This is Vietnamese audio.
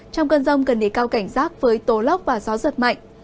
trong cơn rông cần đề cao cảnh giác với tố lốc và gió giật mạnh